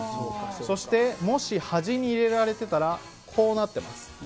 そして、もし端に入れられてたらこうなってます。